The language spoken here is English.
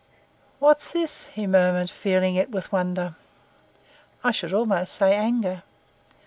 "What's this?" he murmured, feeling it with wonder, I should almost say anger.